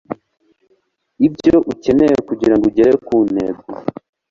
ibyo ukeneye kugirango ugere ku ntego